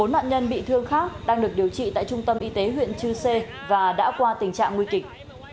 bốn nạn nhân bị thương khác đang được điều trị tại trung tâm y tế huyện chư sê và đã qua tình trạng nguy kịch